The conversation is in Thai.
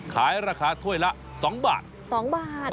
ขายราคาถ้วยละ๒บาท๒บาท